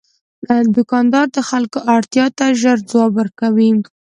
دوکاندار د خلکو اړتیا ته ژر ځواب ورکوي.